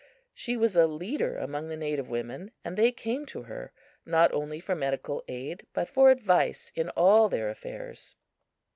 She was a leader among the native women, and they came to her, not only for medical aid, but for advice in all their affairs.